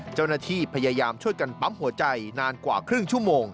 เจ้าหน้าที่พยายามช่วยกันปั๊มหัวใจนานกว่าครึ่งชั่วโมง